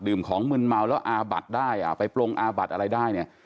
ดื่มของมืนเมาแล้วอาบัติได้ไปปลงอาบัติอะไรได้เนี่ย